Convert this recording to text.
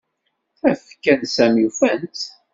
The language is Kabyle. Tafekka n Sami ufan-tt.